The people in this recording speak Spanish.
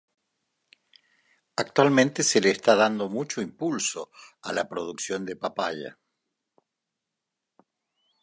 Actualmente se le está dando mucho impulso a la producción de papaya.